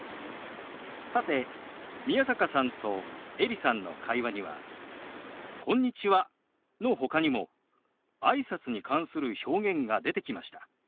さて宮坂さんとエリさんの会話には「こんにちは」のほかにもあいさつに関する表現が出てきました。